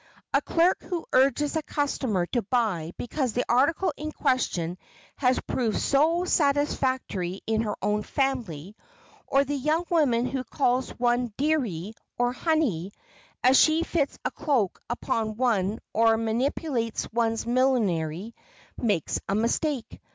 A clerk who urges a customer to buy because the article in question has proved so satisfactory in her own family, or the young woman who calls one "dearie" or "honey" as she fits a cloak upon one or manipulates one's millinery, makes a mistake.